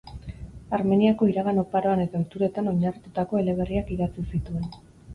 Armeniako iragan oparoan eta ohituretan oinarritutako eleberriak idatzi zituen.